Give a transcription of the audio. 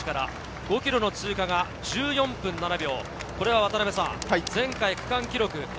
５ｋｍの通過は１４分７秒。